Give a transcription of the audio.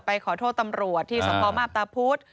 ไปขอโทษตำรวจที่สมตแผลปพุ่ต